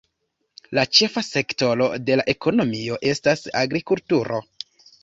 La ĉefa sektoro de la ekonomio estas agrikulturo.